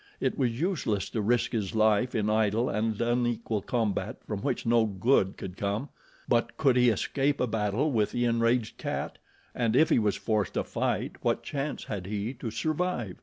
It was useless to risk his life in idle and unequal combat from which no good could come; but could he escape a battle with the enraged cat? And if he was forced to fight, what chance had he to survive?